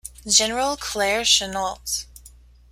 General Claire Chennault.